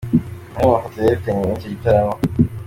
Amwe mu mafoto yerekeranye n’icyo gitaramo:.